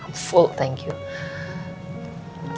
saya penuh terima kasih